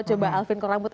coba alvin kurang but